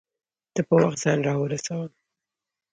ته په وخت ځان راورسوه